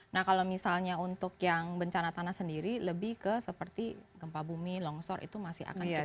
nah kalau misalnya untuk yang bencana tanah sendiri lebih ke seperti gempa bumi longsor itu masih akan terjadi